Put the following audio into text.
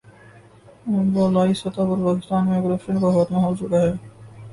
بالائی سطح پر پاکستان میں کرپشن کا خاتمہ ہو چکا ہے۔